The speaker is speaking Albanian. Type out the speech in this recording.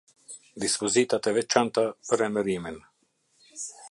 Dispozitat e veçanta për emërimin.